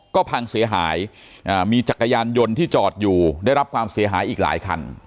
ก็พังเสียหายมีจักรยานยนต์ที่จอดอยู่ได้รับความเสียหายอีกหลายคัน